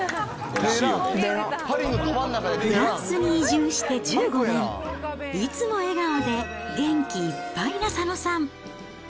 フランスに移住して１５年、いつも笑顔で元気いっぱいな佐野さん。